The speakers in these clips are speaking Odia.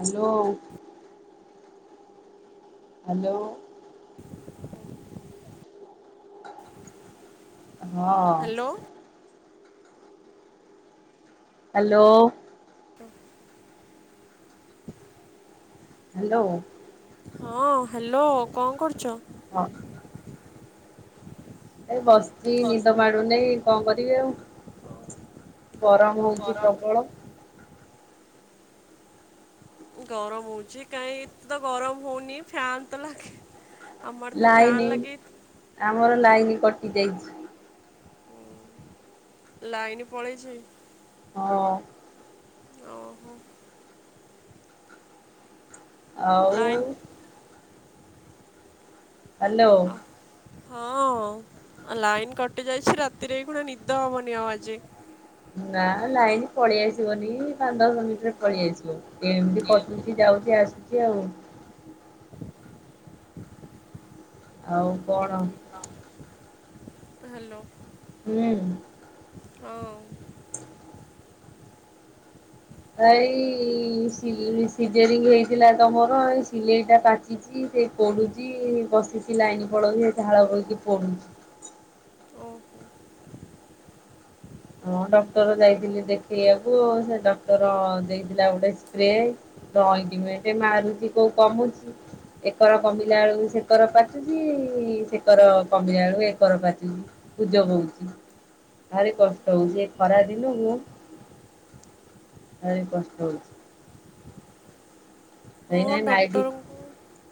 ହ୍ୟାଲୋ। ହ୍ୟାଲୋ। ହ୍ୟାଲୋ ହଁ। ହ୍ୟାଲୋ। ହଲୋ। ହ୍ୟାଲୋ। ହଁ ହ୍ୟାଲୋ କଣ କରୁଛ? ହଁ। ଏ ମୁଁ ବସିଛି ନିଦ ମାଡୁନି କଣ କରିବି ଆଉ ବସିଛି ଗରମ ହଉଛି ପ୍ରବଳ। ଗରମ ହଉଚି କାହିଁ ଏତେ ତ ଗରମ ହଉନି ଫ୍ୟାନ ତ ଲାଗେ ଆମର ତ ଫ୍ୟାନ୍ ଲାଇନି ଲାଗି ଆମର ଲାଇନି କଟି ଯାଇଛି। ଲାଇନ ପଳେଇଛି। ହଁ। ଓହୋ। ଲାଇନ୍ ଆଉ। ହ୍ୟାଲୋ। ହଁ ଲାଇନ କଟି ଯାଇଛି ରାତିରେ ବି ପୁଣି ନିଦ ହବନି ଆଉ ଆଜି। ନା ଲାଇନ ପଳେଇ ଆସିବନି ପାଞ୍ଚ ଦଶ ମିନଟିରେ ପଳେଇ ଆସିବ। ଏମିତି କଟୁଛି ଯାଉଛି ଆସୁଛି ଆଉ। ଆଉ କଣ? ହ ହ୍ୟାଲୋ। ହୁଁ। ହିଁ ଉ। ଏଇ ଇ ଇ ସିଲେ ସିଜରିଙ୍ଗ ହେଇଥିଲା ତମର ଏଇ ସିଲେଇଟା ପାଚ ଛି ସେ ପୋଡୁଛି ବସିଛି ଲାଇନ ପଳଉଛି ସେ ଝାଳ ବୋଇକି ପୋଡ଼ୁଛି। ଓହୋ ହଁ ଡକ୍ଟର ଯାଇଥିଲି ଦେଖେଇବାକୁ ସେ ଡକ୍ଟର ଦେଇଥିଲା ଗୋଟେ ସ୍ପ୍ରେ। ଅଏଟେ ମାରୁଛି କୋଉ କମୁଛି। ଏକର କମିଲା ବେଳୁକୁ ସେକର ପାଚୁଛି ଇ ଇ ସେକର କମିଲା ବେଳୁ ଏକର ପାଚୁଛି। ପୁଜ ବୋଉଚି ଭାରି କ ଷ୍ଟ ହଉଛି ଏଇ ଖରା ଦିନକୁ ଭାରି କଷ୍ଟ ହଉଛି। ହଁ ଏଇନା ନାଇଟି ଡକ୍ଟରଙ୍କୁ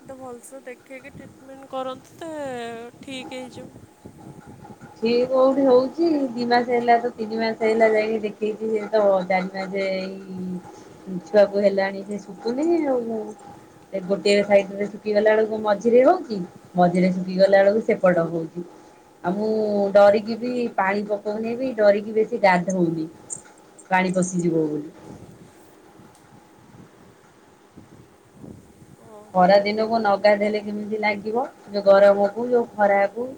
ତ ଭଲସେ ଦେଖେଇକି ଟ୍ରିଟମେଣ୍ଟ କରନ୍ତୁ ତ ଅ ଠିକ୍ ହେଇଯିବ। ଠିକ କୋଉଠି ହଉଛି ଦି ମାସ ହେଲା ତ ତିନି ମାସ ହେଇଲା ଯାଇକି ଦେଖେଇଛି ସେ ତ ଚାରି ମାସେ ଏଇ ଏମ୍ ମିଛିବାକୁ ହେଲାଣି ସେ ଶୁଖୁନି ଆଉ। ଏ ଗୋଟିଏ ସାଇଡରେ ଶୁଖିଗଲା ବେଳକୁ ମଝିରେ ହଉଚି। ମଝିରେ ଶୁଖି ଗଲା ବେଳକୁ ସେପଟ ହଉଛି। ଆଉ ମୁଁ ଡରିକି ବି ପାଣି ପକଉନି ବି ଡରିକି ବେଶୀ ଗାଧୋଉନି। ପାଣି ପସିଯିବ ବୋଲି। ଓହୋ ଖରା ଦିନକୁ ନଗାଧେଇଲେ କେମିତି ଲାଗିବ ଯୋଉ ଗରମକୁ ଯୋଉ ଖରାକୁ।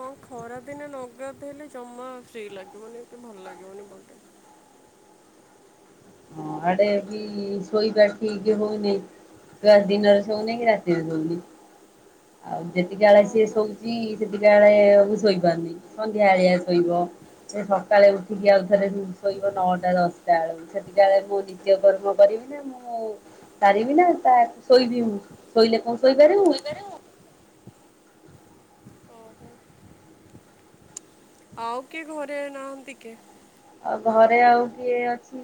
ହଁ ଖରାଦିନେ ନଗାଧେଇଲେ ଜମା ଫ୍ରୀ ଲାଗିବନି କି ଭଲ ଲାଗିବନି ବଡ଼ି। ହଁ ଆଡେ ବି ଶୋଇବା ଠିକ ହଉନେଇ। ଦିନରେ ଶଉନି କି ରାତିରେ ଶଉନି ଆଉ ଯେତିକି ଆଳ ହଁ ସିଏ ହଁ। ଶୋଉଛି ସେତିକି ସେତିକି ବେଳେ ମୁଁ ସୋଇପାରୁନି ସନ୍ଧ୍ୟାବେଲିଆ ଶୋଇବ ସେ ସକାଳେ ଉଠିକି ଆଉ ଥରେ ଶୋଇବ ନଅଟା ଦଶଟା ବେଳକୁ ସେ ବିଦ୍ୟାଳୟ କୁ ନିତ୍ୟକର୍ମ କରିବି ନା ମୁଁ ସାରିବି ନା ତା ଶୋଇବି ମୁଁ। ଶୋଇଲେ କ କଣ ଶୋଇପାରିବୁ? କହିପାରିବୁ? ଓହୋ। [unintelligible] ଆଉ କିଏ ଘରେ ନାହାନ୍ତି କି? ଆଉ ଘରେ ଆଉ କିଏ ଅଛି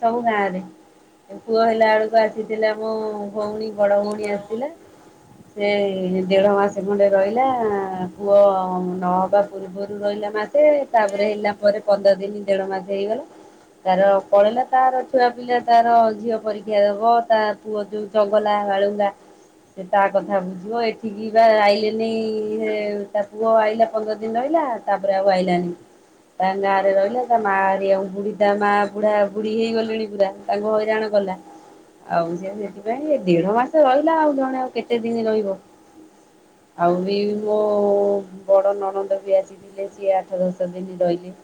ସବୁ ଗାଁରେ ପୁଅ ହେଲା ଓହୋ। ହେଲାଆଳୁ କୁ ଆସି ଥିଲା ମୋ ଭଉଣୀ ବଡ ପୁଣି ଭଉଣୀ ବଡ଼ ବୋଉ ଆସିଥିଲା। ସେ ଦେଢ ମାସେ ଖଣ୍ଡେ ରହିଲା ପୁଅ ନହବା ପୂର୍ବରୁ ରହିଲା ମାସେ ସେ ସେ ତାପରେ ହେଲା ପରେ ପନ୍ଦର ଦିନ ଦେଢ ମାସେ ହେଇଗଲା। ତାର ପଳେଇଲା ତାର ଛୁଆ ପିଲା ତାର ଝିଅ ପରୀକ୍ଷା ଦବ ତା ପୁଅ ଯୋଉ ଚଙ୍ଗଲା ବାଳୁଙ୍ଗା ସେ ତା କଥା ବୁଝିବ ଏଠିକି ବା ଆଇଲେନି ଇ ଇ ତା ପୁଅ ଆଇଲା ପନ୍ଦର ଦିନ ରହିଲା। ତାପରେ ଆଉ ଆଇଲାନି ତାଙ୍କ ଗାଁରେ ରହିଲା। ତା ମା ହରିକାଙ୍କୁ ଆଉ ବୁଢୀ ତା ମା ବୁଢା ବୁଢୀ ହେଇଗଲେଣି ପୁରା ତାଙ୍କୁ ହଇରାଣ କଲା। ଆଉ ସେ ସେଥିପାଇଁ ଦେଢ ମାସ ରହିଲା ଆଉ ଜଣେ ଆଉ କେତେ ଦିନ ରହିବ? ଆଉ ବି ଓହୋ ମୋ ବଡ଼ ନଣନ୍ଦ ବି ଆସିଥିଲେ ସିଏ ଆଠ ଦଶ ଦିନ ରହିଲେ।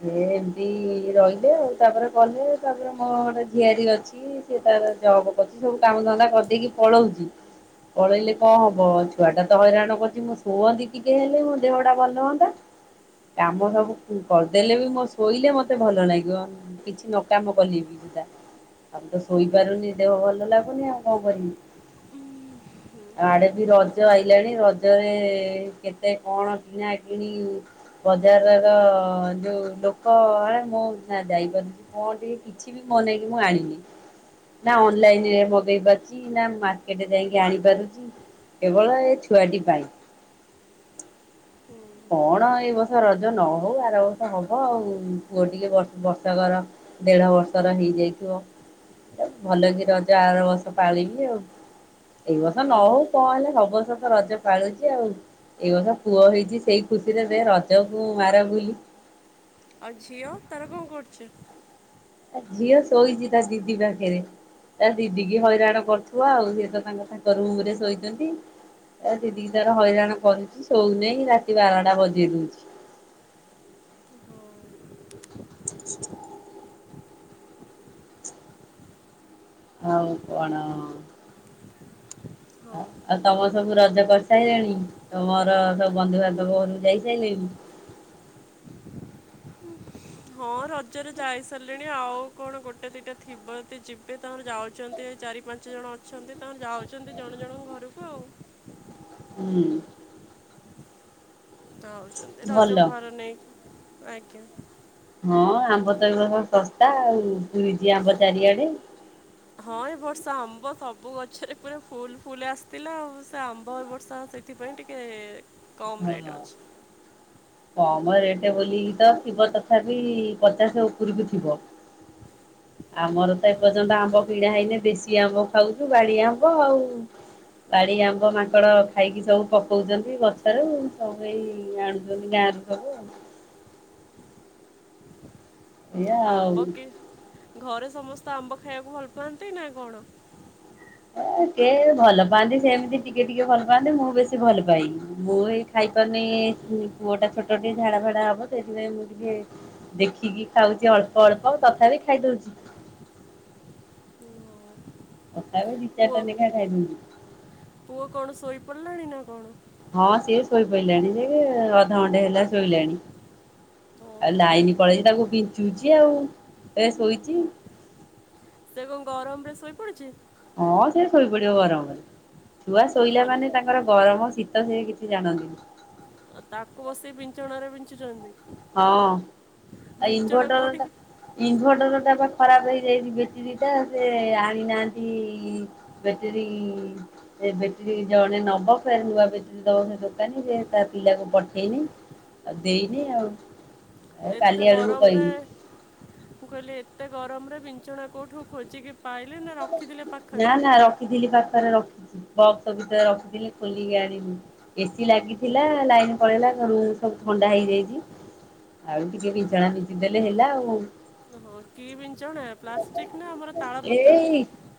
ସିଏ ବି ରହିଲେ ଆଉ ତାପରେ କଲେ ତାପରେ ମୋ ଝିଆରୀ ଅଛି। ସେ ତାର ଜବ କରୁଛି ସବୁ କାମ ଧନ୍ଦା କରିଦେଇକି ପଳଉଛି। ପଳେଇଲେ କଣ ହବ ଛୁଆ ଟା ତ ହଇରାଣ କରୁଛି। ମୁଁ ଶୁଅନ୍ତି ଟିକିିଏ ହେଲେ ମୋ ଦେହଟା ଭଲ ହୁଅନ୍ତା। କାମ ସବୁ କରିଦେଲେ ବି ମୋ ଶୋଇଲେ ମତେ ଭଲ ଲାଗିବ କିଛି ନକାମ କଲି ବି ଆଉ ତ ଶୋଇପାରୁନି ଦେହ ଭଲ ଲାଗୁନି ଆଉ କଣ କରିବି। ଉଁ ହୁଁ। ଆଡେ ବି ରଜ ଆଇଲାଣି ରଜରେ କେତେ କଣ କିଣା କିଣି ବଜାର ର ଯୋଉ ଲୋକ ଆ ମୁଁ ଯାଇପାରୁଛି ମୁଁ ଟିକେ କିଛି କିଛି ବି ମନେଇକି ମୁଁ ଆଣିନି। ନା ଅନଲାଇନ ରେ ମଗେଇ ପାରୁଛି ନା ମାର୍କେଟରେ ଯାଇକି ଆଣିପାରୁଛି। କେବଳ ଏ ଛୁଆଟି ପାଇଁ। ହୁଁ। କଣ ଏଇ ବର୍ଷ ରଜ ନ ହଉ ଆର ବର୍ଷ ହବ ଆଉ ପୁଅ ଟିକେ ଵଷ ବର୍ଷକର ଦେଢ ବର୍ଷର ହେଇଯାଇଥିବ। ଭଲ କି ରଜ ଆର ବର୍ଷ ପାଳିବି ଆଉ। ଏଇ ବର୍ଷ ନ ହଁ। ହଉ କଣ ହେଲେ ସବୁ ବର୍ଷ ତ ରଜ ପାଳୁଛି ଆଉ ଏଇ ବର୍ଷ ପୁଅ ହେଇଛି ସେଇ ଖୁସିରେ ସେ ରଜକୁ ମାର ଗୁଲି ଆଉ ଝିଅ ତାର କଣ କରୁଛି? ଝିଅ ଶୋଇଛି ତା ଦିଦି ପାଖେରେ। ତା ଦିଦି କି ହଇରାଣ କରୁଥିବ ଆଉ ସିଏ ତ ତାଙ୍କ ତାଙ୍କ ରୁମ ରେ ଶୋଇଛନ୍ତି। ଏ ଦିଦିି ତାର ହଇରାଣ କରୁଛି ଶୋଉ ନାହିଁ ରାତି ବାରଟା ବଜେଇ ଦଉଛି। ହଁ [unintelligible] ଆଉ କଣ? ହଁ। [unintelligible] ତମ ସବୁ ରଜ କରିସାଇଲେଣି? ତମର ସବୁ ବନ୍ଧୁବାନ୍ଧବ ଘରକୁ ଯାଇ ସାଇଲେଣି? ହଁ ରଜରେ ଯାଇ ସାଇଲେଣି ଆଉ କଣ ଗୋଟେ ଦିଟା ଥିବ ଯଦି ଯିବେ ତାଙ୍କର ଯାଉଛ ଏତେ ଚାରି ପାଞ୍ଚ ଜଣ ଅଛନ୍ତି ତାଙ୍କର ଯାଉଛନ୍ତି ଜଣେ ଜଣଙ୍କ ଘରକୁ ଆଉ। ହୁଁ। ଯାଉଛନ୍ତି ରଜ ଭଲ ଭାର ନେଇକି ଆଜ୍ଞା। ହଁ ଆମ୍ବ ତ ଏ ବର୍ଷ ଶସ୍ତା ଆଉ ଉଇଛି ଆମ୍ବ ଚାରିଆଡେ। ହଁ ଏ ବର୍ଷା ଆମ୍ବ ସବୁ ଗଛରେ ପୁରା ଫୁଲ ଫୁଲ ଆସିଥିଲା ଆଉ ସେ ଆମ୍ବ ଏ ବର୍ଷ ସେଥିପାଇଁ ଟି କେ ହଁ। କମ ରେଟ ବୋଲିକି ତ ଥିବ ତଥାପି ପଚାଶ ଉପରକୁ ଥିବ? ଆମର ତ ଏପର୍ଯ୍ୟନ୍ତ ଆମ୍ବ କିଣାା ହେଇନି। ଦେଶୀ ଆମ୍ବ ଖାଉଛୁ ବାଡି ଆମ୍ବ ଆଉ। ବାଡି ଆମ୍ବ ମାଙ୍କଡ ଖାଇକି ସବୁ ପକଉଚନ୍ତି ଗଛରୁ। ସବୁ ଏଇ କିଣି ଆଣୁଛନ୍ତି ଗାଁ ରୁ ସବୁ। ଏଇଆ ଆଉ ଆମ୍ବ କି ଘରେ ସମସ୍ତେ ଆମ୍ବ ଖାଇବାକୁ ଭଲ ପାଆନ୍ତି ନା କଣ? ଏ କେ ଭଲ ପାଆନ୍ତି ସେମିତି ଟିକେ ଟିକେ ଭଲ ପାଆନ୍ତି। ମୁଁ ବେଶୀ ଭଲ ପାଇ। ମୁଁ ଏଇ ଖାଇପାରୁନି ଏ ପୁଅଟା ଛୋଟ ଟେ ଝାଡ଼ା ଫାଡ଼ା ହବ। ସେଇଥିପାଇଁ ମୁଁ ଟିକେ ଦେଖିକି ଖାଉଛି ଅଳ୍ପ ଅଳ୍ପ ତଥାପି ଖାଇଦଉଛି। ଉ ହୋ ତଥାପି ଦି ଚାଟା ନେଖା ଖାଇଦଉଚୁ। ପୁଅ କଣ ଶୋଇ ପଡ଼ିଲାଣି ନା କଣ? ହଁ ସିଏ ଶୋଇପଇଲାଣି ଯେ ଅଧଘଣ୍ଟେ ହେଲା ଶୋଇଲାଣି। ଆଉ ଓହୋ ଲାଇନି ପଳେଇଚି, ତାକୁ ବିଞ୍ଚୁଚି, ଆଉ ଏ ଶୋଇଚି। ସେ କଣ ଗରମ ରେ ଶୋଇପଡିଛି? ହଁ ସେ ଶୋଇପଡିବ ଗରମରେ। ଛୁଆ ଅ, ଶୋଇଲା ଭଲ ମାନେ ତା ଙ୍କର ଗରମ ଶୀତ ସେ କିଛି ଜାଣନ୍ତିନି। ଆଉ ତାକୁ ବସି ବିଞ୍ଚଣାରେ ବିଞ୍ଚୁଛନ୍ତି? ହଁ, ଆ ବିଞ୍ଚଣା ଇନଭଟର୍ କେଉଁଠି ଟା ଇନଭଟର୍ ଟା ବା ଖରାପ ହେଇଯାଇଚି ବେଟେରୀ ଟା ସେ ଆଣିନାହାନ୍ତି। ବେଟେରି ଏ ବେଟ୍ରି ଜଣେ ନବ। ଫେର୍ ନୂଆ ବେଟେ ଦବ ସେ ଦୋକାନୀ ଯେ ତା ପିଲାକୁ ପଠେଇନି। ଆଉ ଦେଇନି ଆଉ। ଏ ଏତେ କାଲି ଆଡକୁ ଗରମରେ, କହିବି ମୁଁ କହିଲି ଏତେ ଗରମରେ ବିଞ୍ଚଣା କୋଉଠୁ ଖୋଜିକି ପାଇଲେ ନା ରଖିଥିଲେ ନା ପାଖରେ? ନା ରଖିଥିଲି ପାଖରେ ରଖିଛି। ବକ୍ସ ଭିତରେ ରଖିଥିଲି ଖୋଲିକି ଆଣିଲି। ଏସିି ଲାଗିଥିଲା ଲାଇନ୍ ପଳେଇଲା ରୁମ୍ ସବୁ ଥଣ୍ଡା ହେଇଯାଇଚି। ଆଉ ଟିକିଏ ବିଞ୍ଚଣା ବିଞ୍ଚି ଦେଲେ ହେଲା ଆଉ। ଓହୋ, କି ବିଞ୍ଚଣା ପ୍ଲାଷ୍ଟିକ୍ ନା ଆମର ତାଳ ପତ୍ର?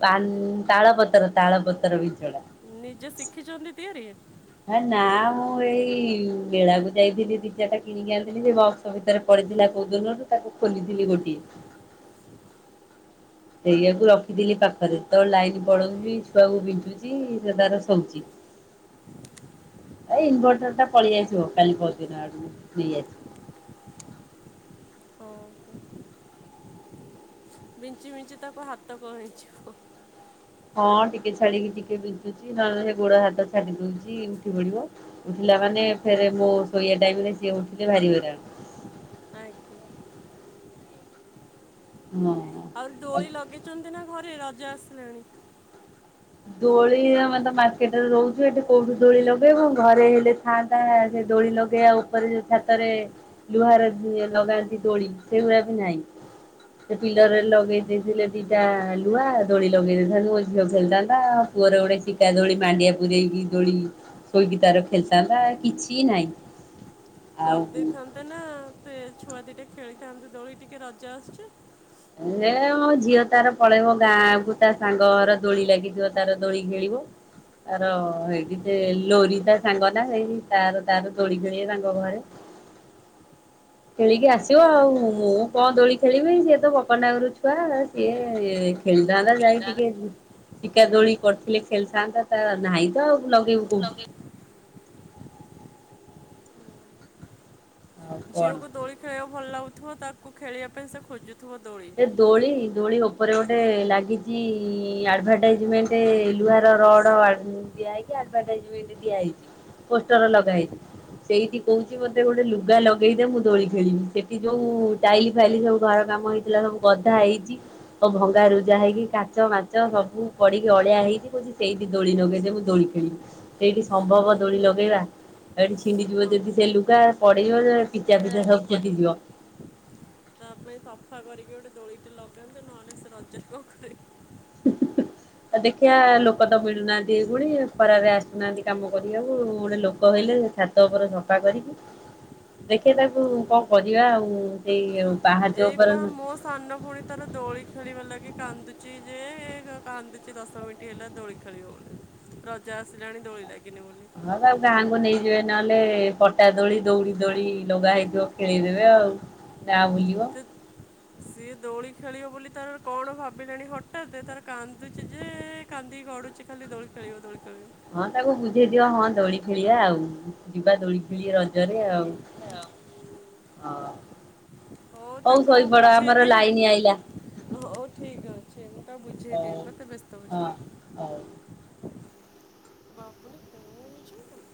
ତାନ୍, ତାଳ ପତ୍ର ତାଳପତ୍ର ବିଞ୍ଚଣା। ନିଜେ ଶିଖିଛନ୍ତି ତିଆରି? ହେ ନା, ମୁଁ ଏଇ ମେଳାକୁ ଯାଇଥିଲି ଦି ଚାରଟା କିଣିକି ଆଣିଥିଲି। ସେ ବକ୍ସ ଭିତରେ ପଡିଥିଲା କୋଉ ଦିନରୁ ତାକୁ ଖୋଲିଥିଲି ଗୋଟିଏ। ସେଇଆକୁ ରଖିଥିଲି ପାଖରେ ତ ଲାଇନ୍ ପଳଉଚି ଛୁଆକୁ ବିଞ୍ଚୁଚି ସିଏ ତାର ଶୋଉଚି। ଏଇ ଇନଭର୍ଟର ଟା ପଳିଆସିବ କାଲି ପରଦିନ ଆଡକୁ ନେଇ ଆସି ଓହୋ। ବିଞ୍ଚି ବିଞ୍ଚି ତାକୁ ହାତ କଣ ହେଇଯିବ। ହଁ ଟିକେ ଛାଡିକି ଟିକେ ବିଞ୍ଚୁଚି। ନହେଲେ ସେ ଗୋଡ ହାତ ଛାଡି ଦଉଚି ଉଠି ପଡିବ। ଉଠିଲା ମାନେ ଫେରେ ମୋ ଶୋଇବା ଟାଇମ୍ ରେ ସିଏ ଉଠିଲେ ଭାରିି ହଇରାଣ। ଆଜ୍ଞା। ହଁ [inaudible] ଆଉ ଦୋଳି ଲଗେଇଚନ୍ତି ନା ଘରେ ରଜ ଆସିଲାଣି? ଦୋଳି ଆମେ ତ ମାର୍କେଟ୍ ରେ ରହୁଛୁ। ଏଠି କୋଉଠି ଦୋଳି ଲଗେଇବୁ। ଘରେ ହେଲେ ଥାଆନ୍ତା ସେ ଦୋଳି ଲଗେଇବା ଉପରେ ଯୋଉ ଛାତରେ। ଲୁହାର ଇଏ ଲଗାନ୍ତି ଦୋଳି ସେଇ ଗୁଡାକ ନାଇଁ। ସେ ପିଲର ରେ ଲଗେଇ ଦେଇଥିଲେ ଦିଟା ଲୁହା ଦୋଳି ଲଗେଇ ଦେଇଥାନ୍ତୁ। ମୋ ଝିଅ ଖେଳିଥା ତା ପୁଅର ଗୋଟେ ଶିକା ଦୋଳି ମାଣ୍ଡିଆ ପୁରେଇକି ଦୋଳିି। ଶୋଇକି ତାର ଖେଳିଥାନ୍ତା କିଛି ନାହିଁ। କରି ଆଉ ଦେଇଥାନ୍ତେ ନା, ସେ ଛୁଆ ଦିଟା ଖେଳିଥାନ୍ତେ ଦୋଳି ଟିକେ ରଜ ଆସୁଛି। ନେ ମୋ ଝିଅ ତାର ପଳେଇବ ଗାଁକୁ ତା ସାଙ୍ଗ ଘର ଦୋଳି ଲାଗିଥିବ ତାର ଦୋଳି ଖେଳିବ। ତାର ହେଇଠି ସେ ଲୋରି ତା ସାଙ୍ଗ ନା ଏଇ ତାର ତାର ଦୋଳି ଖେଳିବେ ତାଙ୍କ ଘରେ। ଖେଳିକି ହୁଁ, ଆସିବ ତା ଆଉ। ମୁଁ କଣ ଦୋଳି ଖେଳିବି, ସିଏ ତ ବକଟ ନାକରୁ ଛୁଆ ସିଏ ଏ ଖେଳିଥାନ୍ତା ଯାଇ ଟିକେ ଉଁ, ଶିକା ଦୋଳି କରିଥିଲେ ଖେଳିଥାନ୍ତା ତା ନାହିଁ। [unintelligible] ଲଗେଇବୁ କୋଉଠି? ଆଉ କଣ? ଝିଅକୁ ଦୋଳି ଖେଳେଇବାକୁ ଭଲ ଲାଗୁଥିବ ତାକୁ ଖେଳିବା ପାଇଁ ସେ ଖୋଜୁଥିବ ଦୋଳି। ଏ ଦୋଳି ଦୋଳି ଉପରେ ଗୋଟେ ଲାଗିଛି ଆଡଭାଟାଇଜମେଣ୍ଟ୍। ଟେ ଲୁହାର ରଡ ବନ୍ଧ୍ ଦିଆ ହେଇକି ଆଡଭାଟାଇଜମେଣ୍ଟ୍ ଦିଆ ହେଇଛି। ପୋଷ୍ଟର ଲଗା ନାଇଁ ହେଇଚି। ସେଇଠି କହୁଛି ମତେ ଗୋଟେ ଲୁଗା ଲଗେଇଦେ ମୁଁ ଦୋଳି ଖେଳିବି। ସେଠି ଯୋଉ ଟାଇଲି ଫାଇଲି ସବୁ ଘର କାମ ହେଇଚି। [unintelligible] ବନ୍ଧା ହେଇଛି। [unintelligible] ଭଙ୍ଗାରୁୁଯା ହେଇକି କାଚ ମାଚ ସବୁ ପଡିକି ଅଳିଆ ହେଇଛି କହୁଚି ସେଇଠି ଦୋଳି ନଗେଇ ଦେ ମୁଁ ଦୋଳି ସେଇଠି ସମ୍ଭବ ଦୋଳି ହୁଁ ଲଗେଇବା ଏଇଠି ଛିଣ୍ଡିଯିବ ହଁ ଯଦି ସେ ଲୁଗା ପଡିବ ଯେ ପିଚା ଫିଚା ସବୁ ଟିଚର ଫୁଟିଯିବ। ତା ପାଇଁ ସଫା କରିକି ଗୋଟେ ଦୋଳିଟେ ଲଗାନ୍ତୁ। ନହେଲେ ସେ ରଜରେ କଣ ଖେଳି [inaudible] ଉଁ ଦେଖିଆ ଲୋକ ତ ମିଳୁନାହାନ୍ତି ଏଇ ଭଳି ଖରାରେ ଆସୁନାହାନ୍ତି କାମ କରିବାକୁ ଗୋଟେ ଲୋ କହିଲେ ଛାତ ଉପରେ ସଫା କରିକି ଦେଖେ ତାକୁ କଣ କରିବା ଆଉ ସେଇ ଉ ଏଇ ପା ମୋ ସାନ ଭଉଣୀ ତାର ଦୋଳି ଖେଳିବା ଲାଗି କାନ୍ଦୁଚି ଯେ କାନ୍ଦୁଛି ଦଶ ମିିନି ଣ୍ଟି ହେଲା ଦୋଳି ଖେଳିବ ବୋଲି। ରଜ ଆସିଲାଣି ଦୋଳି ଲାଗିନି ବୋଲି ହଁ ତାକୁ ଗାଁକୁ ନେଇଯିବେ ନହେଲେ ପଟା ଦୋଳି ଦଉଡି ଦୋଳି ଲଗା ହେଇଥିବ। ଖେଳିଇ ଦେବେ ଆଉ ଗାଁ ବୁଲିବ। ସେ ଦୋଳି ଖେଳିବ ବୋଲି ତାର କଣ ଭାବିଲାଣି ହଠାତ୍ ତାର କାନ୍ଦୁଛି ଯେ କାନ୍ଦିକି ଗଡୁଛି ଖାଲି ଦୋଳି ଖେଳିବ ଦୋଳି ଖେଳିବ। ହଁ ତାକୁ ବୁଝେଇ ଦିଅ ହଁ ଦୋଳି ଖେଳିବା ଆଉ ଯିବା ଦୋଳି ଖେଳି ରଜରେ ଆଉ। ଖେଳିବ ହଁ ହଉ ତାକୁ ମୁଁ ଶୋଇପଡ ବୁଝେଇ ଆମର ଦିଏ ଲାଇନ ଆଇଲା। ହଉ ଠିକ ଅଛି ମୁଁ ତାକୁ ହଉ ବୁଝେଇଦିଏ [unintelligible] ବ୍ୟସ୍ତ ଅଛି। ହଁ ହୋଉ ହଉ ବାବୁନି କଣ ହେଇଛୁ